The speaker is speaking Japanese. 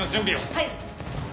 はい！